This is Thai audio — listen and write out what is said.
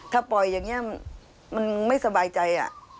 ถ้าปล่อยอย่างนี้มันไม่สบายใจ